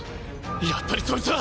やっぱりそいつは。